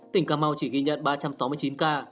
tỉnh cà mau chỉ ghi nhận ba trăm sáu mươi chín ca